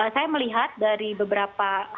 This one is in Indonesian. saya melihat dari beberapa